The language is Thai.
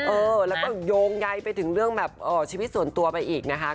เออแล้วก็โยงใยไปถึงเรื่องแบบชีวิตส่วนตัวไปอีกนะคะ